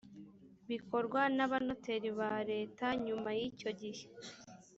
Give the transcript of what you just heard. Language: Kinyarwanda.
bikorwa n abanoteri ba leta nyuma y icyo gihe